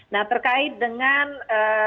nah terkait dengan testing